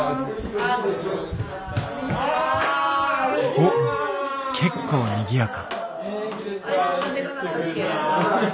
おっ結構にぎやか。